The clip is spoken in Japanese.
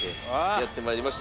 やってまいりました。